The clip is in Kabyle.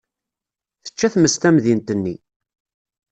Tečča tmes tamdint-nni.